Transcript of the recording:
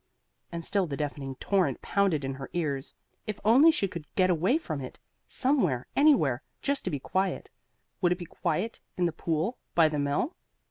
And still the deafening torrent pounded in her ears. If only she could get away from it somewhere anywhere just to be quiet. Would it be quiet in the pool by the mill?